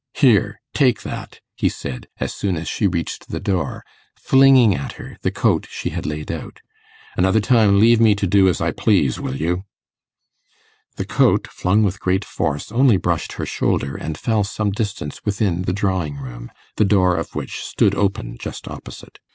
'Here! Take that!' he said, as soon as she reached the door, flinging at her the coat she had laid out. 'Another time, leave me to do as I please, will you?' The coat, flung with great force, only brushed her shoulder, and fell some distance within the drawing room, the door of which stood open just opposite.